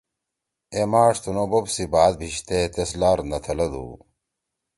اے ماݜ تنُو بوپ سی بات بھیشتے تیس لار نہ تھلدُو۔